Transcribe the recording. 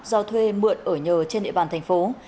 do thuê mượn ở nhờ trên địa bàn tp hà nội